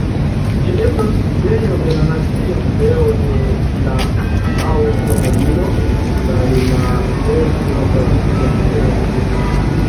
Ĝi estas sidejo de la Nacia Muzeo de la Aŭtomobilo kaj la Etnografia Muzeo.